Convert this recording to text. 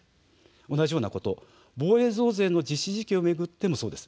同じようなこと防衛増税の実施時期を巡ってもそうです。